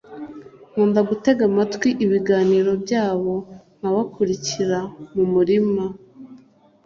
nkunda gutega amatwi ibiganiro byabo, nkabakurikira mu murima